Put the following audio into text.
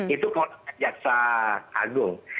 itu kalau jaksa agung